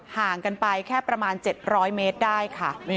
ห่างกันไปแค่ประมาณ๗๐๐เมตรได้ค่ะ